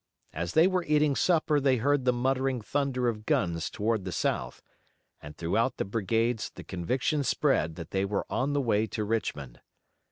As they were eating supper they heard the muttering thunder of guns toward the south, and throughout the brigades the conviction spread that they were on the way to Richmond.